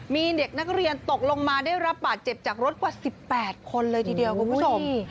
มีเด็กนักเรียนตกลงมาได้รับบาดเจ็บจากรถกว่า๑๘คนเลยทีเดียวคุณผู้ชม